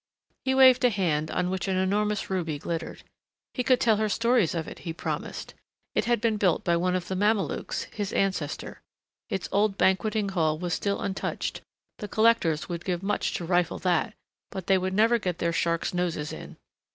He waved a hand on which an enormous ruby glittered. He could tell her stories of it, he promised. It had been built by one of the Mamelukes, his ancestor. Its old banqueting hall was still untouched the collectors would give much to rifle that, but they would never get their sharks' noses in.